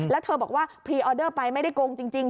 แล้วเธอบอกว่าพรีออเดอร์ไปไม่ได้โกงจริง